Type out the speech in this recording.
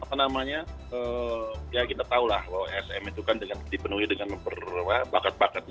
ya apa namanya ya kita tahulah bahwa sm itu kan dipenuhi dengan bakat bakatnya